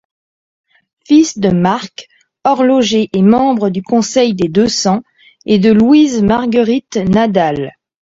Fils de Marc, horloger et membre du Conseil des Deux-Cents, et de Louise-Marguerite Nadal.